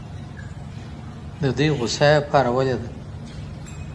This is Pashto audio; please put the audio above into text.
د دوی غصه ئې پارولې ده.